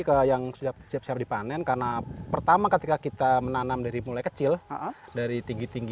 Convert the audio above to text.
ke yang sudah siap siap dipanen karena pertama ketika kita menanam dari mulai kecil dari tinggi tinggi